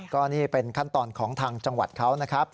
ก็นี่เป็นขั้นตอนของทางจังหวัดเขานะครับ